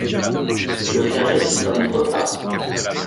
Le clergé s'y prenait trop tard.